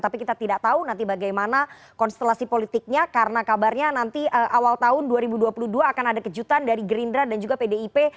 tapi kita tidak tahu nanti bagaimana konstelasi politiknya karena kabarnya nanti awal tahun dua ribu dua puluh dua akan ada kejutan dari gerindra dan juga pdip